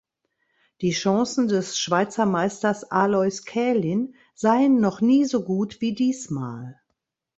Die Chancen des Schweizer Meisters Alois Kälin seien noch nie so gut wie diesmal.